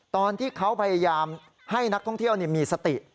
ตอนที่เขาพยายามให้นักท่องเที่ยวมีสติ